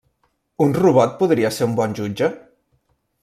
Un robot podria ser un bon jutge?